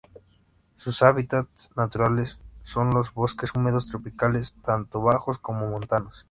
Sus hábitats naturales son los bosques húmedos tropicales tanto bajos como montanos.